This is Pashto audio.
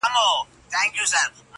قصیده چي مي لیکل پر انارګلو -